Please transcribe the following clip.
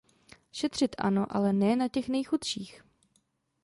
Šetřit ano, ale ne na těch nejchudších.